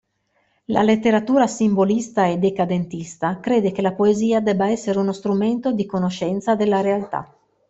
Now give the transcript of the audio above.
La letteratura simbolista e decadentista crede che la poesia debba essere uno strumento di conoscenza della realtà.